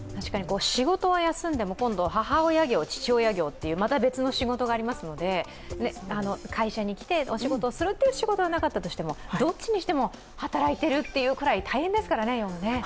仕事は休んでも今度は母親業、父親業というまた別の仕事がありますので会社に来てお仕事をするという仕事はなかったとしても、どっちにしても働いているというくらい大変ですからね、今はね。